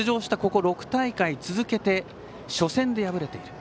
ここ６大会続けて初戦で敗れている。